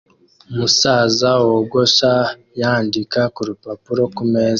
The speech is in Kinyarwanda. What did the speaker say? Umusaza wogosha yandika kurupapuro kumeza